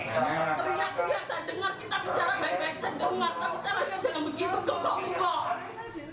kita bicara jangan begitu kok kok